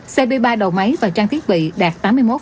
cp ba đầu máy và trang thiết bị đạt tám mươi một chín mươi sáu